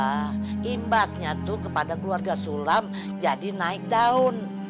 nah imbasnya tuh kepada keluarga sulam jadi naik daun